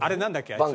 あいつ。